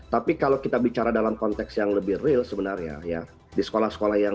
tapi kalau kita bicara dalam konteks yang lebih real sebenarnya ya